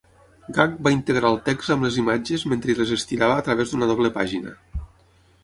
Gag va integrar el text amb les imatges mentre les estirava a través d'una doble pàgina.